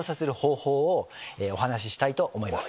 お話したいと思います。